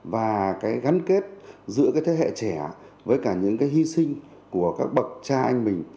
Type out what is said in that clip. và cái gắn kết giữa cái thế hệ trẻ với cả những cái hy sinh của các bậc cha anh mình